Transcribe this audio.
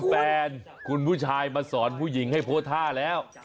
แฟนคุณผู้ชายมาสอนผู้หญิงให้โพสต์ท่าแล้ว